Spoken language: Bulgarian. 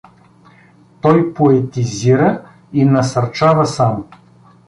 Той поетизира и насърчава само.